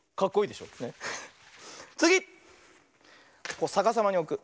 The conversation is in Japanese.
こうさかさまにおく。